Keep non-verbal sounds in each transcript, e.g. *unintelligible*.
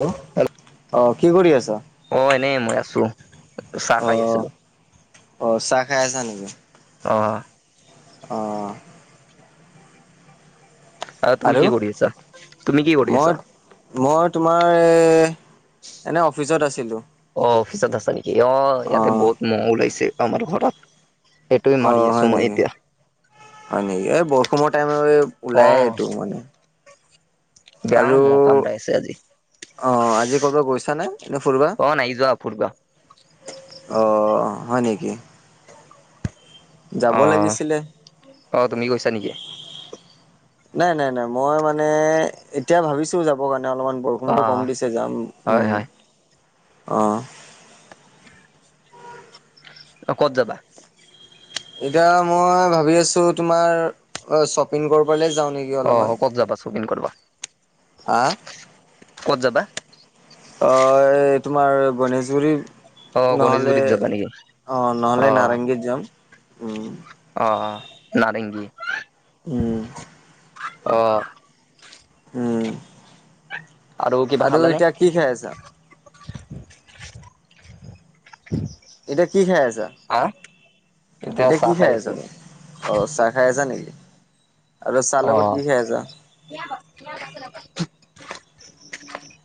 Hello অ কি কৰি আছা। অ এনে মই আছো চাহ অ খাই আছিলো। অ চাহ খাই আছা নিকি। অ', অ'। আৰু তুমি কি কৰি আছা তুমি কি কৰি মই আছা। মই তোমাৰ এনে অফিচত আছিলোঁ। অ অফিচত আছা নিকি অ ইয়াতে বহুত ম'হ ওলাইছে আমাৰ ঘৰত। সেইটোৱে অ মাৰি আছো হয় মই নিকি এতিয়া। হয় নিকি এই বৰষুণৰ টাইমৰ এ অ ওলায়ে এইটো মানে। বেয়া ম কামৰাইছে আজি। অঁ আজি ক'ৰবা গৈছা নে এনেই ফুৰবা। অ নাই যোৱা ফুৰবা। অ হয় নিকি যাব অ। লাগিছিলে অ তুমি গৈছা নেকি? নাই নাই নাই মই মানে এতিয়া ভাবিছো যাবৰ কাৰণে অলমান অ বৰষুণটো কম দিছে যাম হয় উম হয় অঁ অ কত যাবা এতিয়া মই ভাবি আছো তোমাৰ অ শ্বপিং কৰিবলে যাওঁ নিক অ ক'ত যাবা শ্বপিং কৰবা হা ক'ত যাবা অ এই তোমাৰ গণেশগুৰিৰ অ নহ'লে গণেশগুৰিত যাবা নেকি? অ নহ'লে নাৰেংগীৰ যাম উম অ অ নাৰেংগী উম অ উম কিবা আৰু খালানে? এতিয়া কি খাই আছা *unintelligible* এতিয়া কি খাই আছা আহ এতিয়া কি খাই আছা তুমি অ চাহ খাই আছা নিকি আৰু চাহ অ লগত কি খাই আছা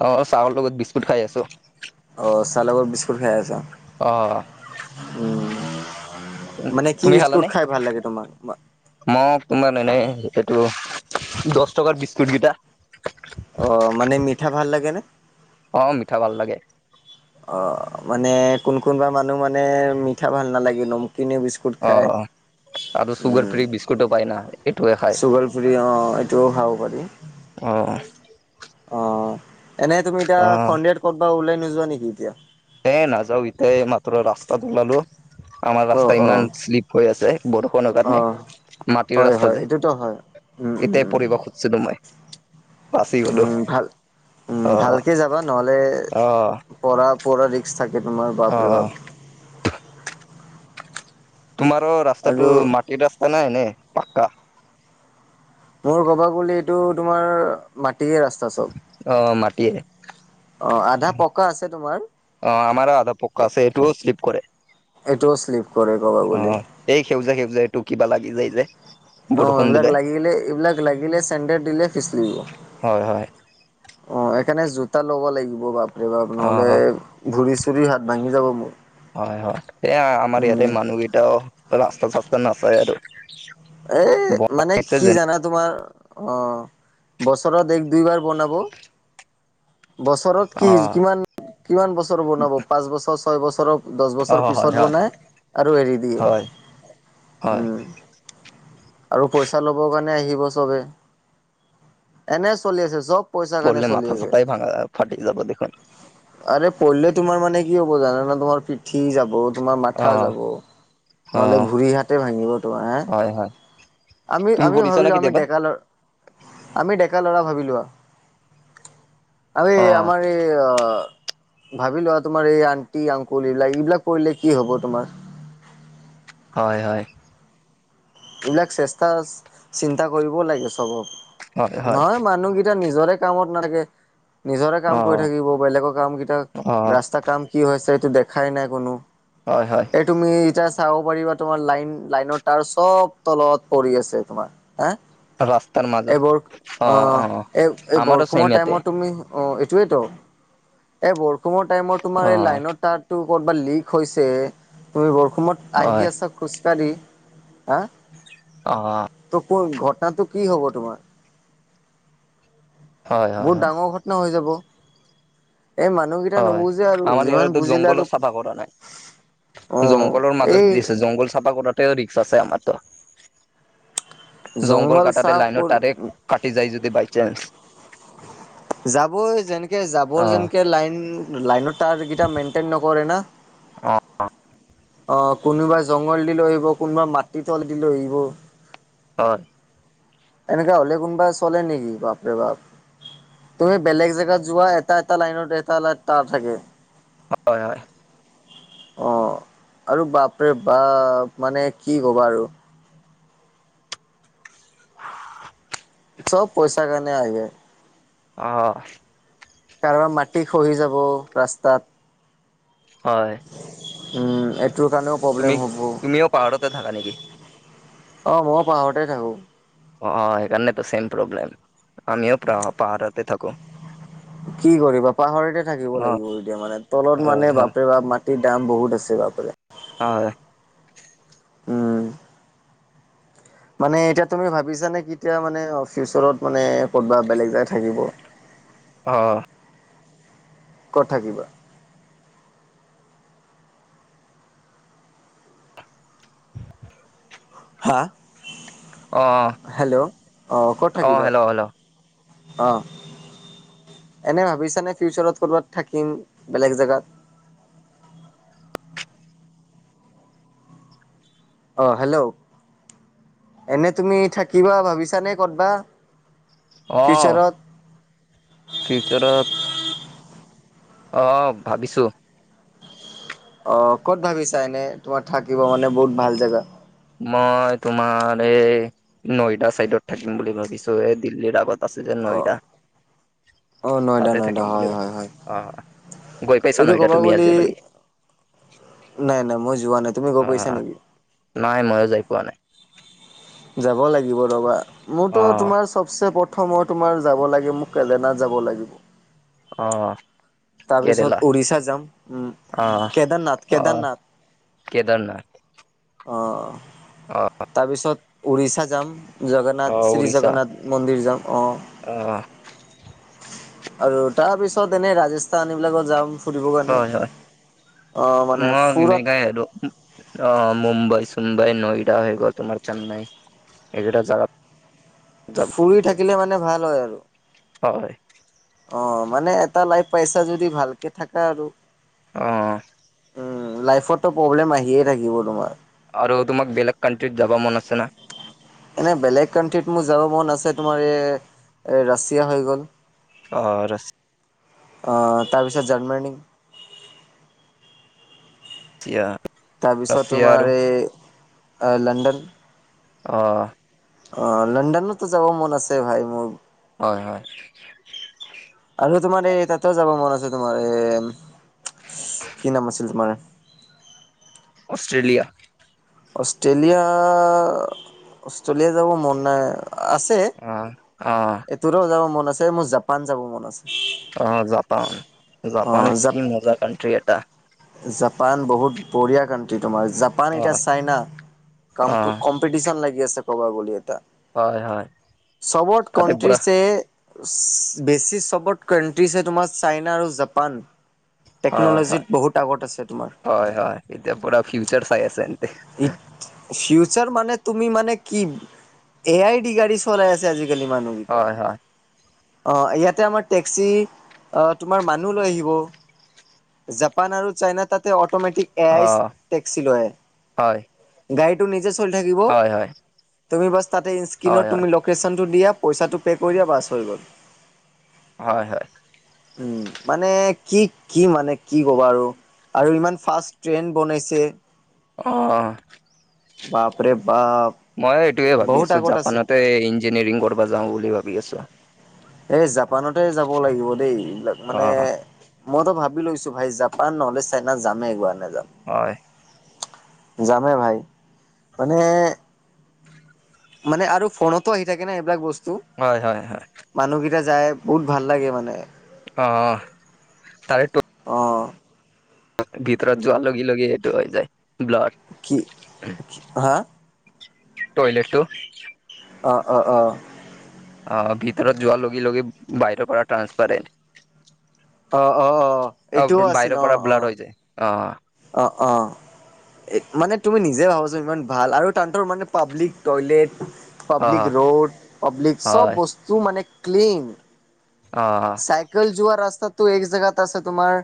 অ চাহৰ লগত বিস্কুট খাই আছো অ চাহ লগত বিস্কুট খাই আছা অ উম মানে কি বিস্কুট খাই ভাল লাগে তোমাৰ মা মোক তোমাৰ এনেই এইটো দছ টকাৰ বিস্কুট গিটা অ মানে মিঠা ভাল লাগে নে অ মিঠা ভাল লাগে অ মানে কোন কোনবা মানুহ মানে মিঠা ভাল নালাগে নমকিনে বিস্ক অ অ আৰু চুগাৰ ফ্ৰি বিস্কুটো পায় না এইটোয়ে খায় চুগাৰ ফ্ৰী অ এইটোও খাব পাৰি অ অ এনে তুমি এতিয়া অ সন্ধিয়াত ক'তবা ওলাই নোযোৱা নেকি এতিয়া এ নাযাওঁ এতিয়া এই মাত্ৰ ৰাস্তাত ওলালো আমাৰ অ ৰাস্তা অ ইমান শ্লিপ হৈ আছে বৰষুণৰ অ কাৰণে মাটিৰ হয় ৰাস্তা হয় যে এইটোতো হয়। উম উম উম পহিব খুজিছিলো মই বাচি গলো উম ভাল অ ভালকে যাবা নহ'লে অ পঢ়া পঢা ৰিক্স থাকে তোমাৰ অ বাপৰে বাপ তোমাৰো আৰু ৰাস্তাটো মাটিৰ ৰাস্তা নাই নে পাক্কা মোৰ ক'ব গলে এই, এইটো তোমাৰ মাটিয়ে ৰাস্তা চব অ মাটিয়ে অ আধা পকা আছে তোমাৰ অ আমাৰো আধা এ পক্কা আছে এইটোও শ্লিপ কৰে এইটোও শ্লিপ কৰে ক'বা বুলি অ', এই সেউজা সেউজা এইটো কিবা লাগি যায় যে অ বৰষুণ এইবিলাক দিলে লাগিলে এইবিলাক লাগিলে চেন্দেল দিলে পিচলি যায় হয় হয় অ সেইকাৰণে জোতা ল'ব লাগিব বাপৰে বাপ নহলে অ', ভৰি চৰি হাত ভাঙি যাব মোৰ হয় হয় এয়া আমাৰ ইয়াতে উম মানুহকেইটাও ৰাস্তা চাস্তা নাচায় আৰু এ মানে বনাইছে কি যেন জানা তোমাৰ অ বছৰত এক দুই বাৰ বনাব বছৰত কি অ', কিমান কিমান বছৰ বনাব পাঁচ বছৰ ছয় বছৰৰ দহ অ', বছৰ হয় পিছত হয় বনাই আৰু এৰি দিয়ে হয় হয় উম আৰু পইচা ল'ব কাৰণে আহিব চবে এনে চলি আছে চব পইচাৰ কাৰণে পৰিলে চলি মাথা আছে চথাই ভাঙ ফাটি যাব দেখোন আৰে পঢ়িলে তোমাৰ মানে কি হ'ব জানানে তোমাৰ পিঠি যাব তোমাৰ মাথা অ', যাব নহ'লে অ', ভুৰি হাতে ভাঙিব তোমাৰ হে। হয় হয় আমি তুমি আম পৰিছা না ভাবিলো আমি কেতিয়াবা ডেকালৰ আমি ডেকা লৰা ভাবি লোৱা আমি অ', আমাৰ এই অ ভাবি লোৱা তোমাৰ এই আন্টি আংকুল এইবিলাক এইবিলাক কৰিলে কি হব তোমাৰ হয় হয় এইবিলাক চেষ্টা চিন্তা কৰিবও লাগে সবক হয় হয় নহয় মানুহকেইটা নিজৰে কামত নাথাকে নিজৰে কাম কৰি অ', থাকিব বেলেগৰ কাম কেইটা অ', ৰাস্তা কাম কি হৈ আছে সেইটো দেখাই নাই কোনো হয় হয় এই তুমি এতিয়া চাব পাৰিবা তোমাৰ লাইন লাইনৰ তাৰ চব তলত পৰি আছে তোমাৰ হা ৰাস্তাৰ মাজত এইবোৰ অ', অ', এই এই আমাৰো চেম বৰষুণৰ ইয়াতে টাইমত তুমি অঁ এইটোৱেইেতো এই বৰষুণৰ টাইমত তোমাৰ এই অ', লাইনত তাত টো কৰ'বাত লিক হৈছে তুমি বৰষুণত হয় আহি আছা খোজ কাঢ়ি হাঁ অঁ ত ক ঘটনাটো কি হব তোমাৰ হয় হয় বহুত হয় ডাঙৰ ঘটনা *unintelligible* ন হৈ যাব এই মানুহকেইটা হয়। নুবুজে আৰু আমাৰ যিমান ইয়াৰতো বুজিলে জংঘলো আৰু চাফা কৰা নাই, অ জংঘলৰ মাজত এই দিছে জংঘল চাফা কৰাতে ৰিক্স আছে আমাৰতো জংঘল কটাতে লাইনৰ টাইাৰেক্ট কাটি যায় যদি বাই চান্স যাবই যেনেকে যাব অ', যেনেকে লাইন লাইন তাৰ কেইটা মেইনটেইন নকৰে না অ', অ কোনোবা জংঘল দি লৈ আহিব কোনোবা মাটি তল দি লৈ আহিব হয় এনেককা হলে কোনোবা চলে নেকি বাপেৰে বাপ তুমি বেলেগ জেগাত যোৱা এটা এটা লাইনত এটা ত থাকে হয় হয় অঁ আৰু বাপৰে বা মানে কি ক'বা আৰু চব পইচা কাৰণে আহে অ কাৰোবাৰ মাটি খহি যাব ৰাস্তাত হয় এইটোৰ কাৰণেও তুমি প্ৰব্লেম হ'ব তুমিও পাহাৰতে থাকা নেকি? অ মইও পাহাৰতে থাকো অ অ সেইকাৰণেতো ছেম প্ৰব্লেম আমিও পাহাৰতে থাকো কি কৰিবা পাহৰতে থাকিব অ', লাগিব এতিয়া মানে তলত হয়, মানে হয়, বাপে ব মা সি দাম বহুত আছে বাপাৰে হয় উম মানে এতিয়া তুমি ভাবিছানে কেতিয়া মানে ফিচৰত মানে অথবা বেলেগ এজেগাত থাকিব *unintelligible* অ অ কত থাকিবা হা অ', হেল্ল' অঁ ক'ত অ', থাকিবা হেল্ল', হেল্ল', অ এনে ভাবিছানে ফিউচাৰত ক'ৰবাত থাকিম বেলেগ জেগাত অ হেল্ল' এনে তুমি থাকিবা ভাবিছানে ক'তবা অ ফিউচাৰত? সেইটো ধৰত অ ভাবিছো। অ ক'ত ভাবিছা এনে তোমাৰ থাকিব মানে বহুত ভাল জেগা। মই তোমাৰ এই নয়দা চাইডত থাকিম বুলি ভাবিছো এই দিল্লীৰ আগত অ' অ' নয়দা *unintelligible* নয়দা হয় হয় হয়। '। গৈ পাইছা এইটো নয় ক'ব এতিয়া আজিলৈকে। গ'লে নাই নাই মই যোৱা নাই তুমি গৈ অ পাইছা নেকি। নাই ময়ো যাই পোৱা নাই। যাব লাগিব ৰ'বা অ মোৰতো তোমাৰ চবচে প্ৰথমই তোমাৰ যাব লাগে মোক কেলেনাত যাব লাগিব। অ'। তাৰ কেৰেলা পিছত উৰিষা যাম উম অ কেদাৰনাথ অ কেদাৰনাথ। কেদাৰনাথ। অ'। অ'। তাৰ পিছত উৰিষ্যা যাম। অ জগন্নাথ শ্ৰী উৰিষ্যা জগন্নাথ মন্দিৰ যাম অঁ'। অ আৰু তাৰপিছত এনেই ৰাজস্থান এইবিলাকত যাম। ফুৰিবৰ কাৰণে হয় হয় অ মানে মই ফুৰত *unintelligible* অ মুম্বাই চোম্বাই নয়দা হৈ গ'ল তোমাৰ চেন্নাই এইকেইটা যাগা। ফুৰি থাকিলে মানে ভাল হয় আৰু। হয়। অ মানে এটা লাইভ পাইছা যদি ভালকে থাকা আৰু। অ'। উম লাইফতো প্ৰব্লেম আহিয়ে থাকিব তোমাৰ। আৰু তোমাক বেলেগ কাণ্ট্ৰিত যাব মন আছে না। এনে বেলেগ কানট্ৰিত মোৰ যাব মন আছে তোমাৰ এ এ ৰাছিয়া হৈ গ'ল। অঁ অ তাৰপিছত জাৰ্মানী। তিয়া তাৰপিছত তোমাৰ এই লণ্ডন। অ'। অ লণ্ডনতো যাব মন আছে ভাই মোৰ। হয় হয়। আৰু তোমাৰ এই তাতে যাব মন আছে তোমাৰ এ কি নাম আছিল তোমাৰ অষ্ট্ৰেলিয়া। অষ্ট্ৰেলিয়া অষ্ট্ৰেলিয়া যাব মন নাই আছে অ', অ'। এইটোৰেও যাব মন আছে মোৰ জাপান যাব মন আছে। অ জাপান অ জাপান কি জাপ মজা কানট্ৰি এটা। জাপান বহুত বঢ়িয়া কাানট্ৰি তোমাৰ জাপান অ এতিয়া চাইনা অ কামটো কম লাগি আছে কবা বুলি এটা হয় হয় চবত তাতে পুৰা কট্ৰিছে বেছি চবত কাণ্ট্ৰিজ হয় তোমাৰ চাইনা আৰু জাপান হয় হয় টেকন'লজিত বহুত আগত আছে তোমাৰ। হয় হয় এতিয়া পুৰা ফিউচাৰ চাই আছে এনতে। ফিউচাৰ মানে তুমি মানে কি এ আই ডি গাড়ী চলাই আছে আজিকালি মানুহ। হয় হয়। অ ইয়াতে আমাৰ টেক্সি অ তোমাৰ মানুহ লৈ আহিব। জাপান আৰু চাইনা তাতে অট'মেটিক এ অ আইচ টেক্সি লয় হয় গাড়ীটো নিজে চলি থাকিব হয় হয় তুমি বাছ তাতে হয় স্ক্ৰীনত হয় তুমি লোকেশ্যনটো দিয়া পইচাটো পে' কৰি দিয়া বাছ হৈ গ'ল হয় হয় উম মানে কি কি মানে কি কবা আৰু আৰু ইমান ফাষ্ট ট্ৰেইন বনাইছে অ অ বাপৰে বাপ মই এইটোয়ে ভাবি বহুত আছো আগত আছে জাপানতে ইঞ্জিনিয়াৰিং কৰিব যাও বুলি ভাবি আছো এই জাপানতে যাব লাগিব দেই এইবিলাক অ মানে মইতো ভাবি লৈছো ভাই জাপান নহ'লে চেইনা যামেই গোৱা লে যাম হয় যামে ভাই, মানে মানে আৰু ফোনতো আহি থাকে না এইবিলাক বস্তু? হয় হয় হয়। মানুহকেইটা যায় বহুত ভাল লাগে মানে। অ' তাৰে ত' অঁ। ভিতৰত যোৱা লগে- লগে এইেইটো হৈ যায় ব্লাৰ। কি হা? টইলেটটো। অ' অ' অ'। অ' ভিতৰত যোৱাৰ লগে - লগে বাহিৰৰ পৰা ট্ৰান্সফাৰেণ্ট। অ' অ' অ' এইটোও আছিল বাহিৰৰ অ' পৰা অ' ব্লাৰ হৈ যায় অ'। অ' অ'। মানে তুমি নিজে ভাবাচোন ইমান ভাল আৰু তাঁতৰমানে পাব্লিক টলেট পাব্লিক অ', ৰোড, পাব্লিক চব হয়, বস্তু মানে ক্লিন। অঁ অঁ। চাইকেল যোৱা ৰাস্তাতটো এক জেগাত আছে তোমাৰ,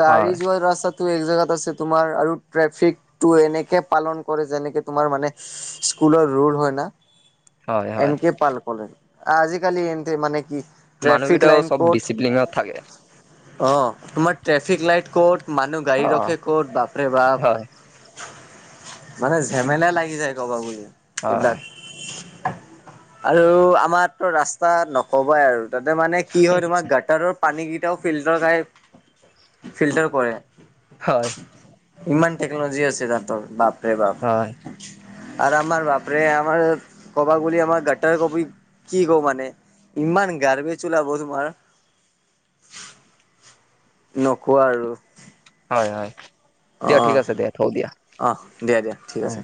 গাড়ী হয়, যোৱাৰ ৰাস্তাতো এক জেগাত আছে। তোমাৰ আৰু ট্ৰেফিকটো এনেকে পালন কৰে যেনেকে তোমাৰ মানে স্কুলৰ ৰল হয় ন। হয়, হয়। এনক পাল কৰেলে আজিকালি এনতে মানে কি *inaudible* মানুহেইটাও লাইন সব ক'ত ডিচিপ্লিন থাকে। অ' তোমাৰ ট্ৰেফিক লাইট ক'ত মানুহ গাড়ী অ', ৰখে ক'ত বাপৰে বাপ। হয়, মানে ঝেমেলা লাগি যায় ক'বা বুলি এইবিলাক। হয়, আৰু আমাৰতো ৰাস্তাত নকবাই আৰু তাতে মানে কি হয় তোমাৰ গাঁতাটাৰৰ পানী কেইটাও ফিল্টাৰ খাই ফিল্টাৰ কৰে *inaudible* হয়। ইমান টেকন'লজি আছে তাহাঁৰ বাপ ৰে বাপ। হয়। আৰু আমাৰ বাপৰে আমাৰ কব বুলি আমাৰ গ কবি কি কওঁ মানে *inaudible* ইমান গাৰ্বেজ ওলাব তোমাৰ। নকও আৰু। হয় হয়, দিয়া ঠিক আছে দিয়া থও দিয়া। অহ, দিয়া দিয়া ঠিক অ'। আছে।